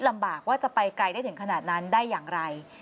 ลำบากว่าจะไปไกลได้ถึงขนาดนั้นได้อย่างไร